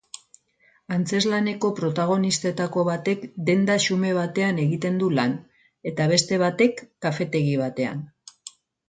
Antzezlaneko protagonistetako batek denda xume batean egiten du lan eta beste batek, kafetegi batean.